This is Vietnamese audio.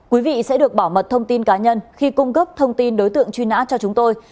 quý vị sẽ được bảo mật thông tin cá nhân khi cung cấp thông tin đối tượng truy nã cho chúng tôi